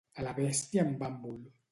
A la bèstia en bàmbol.